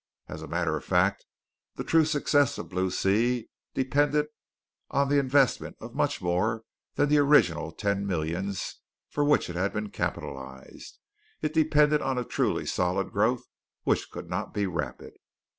As a matter of fact, the true success of Blue Sea depended on the investment of much more than the original ten millions for which it had been capitalized. It depended on a truly solid growth, which could not be rapid.